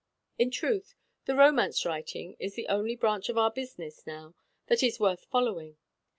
In truth, the romance writing is the only branch of our business now that is worth following.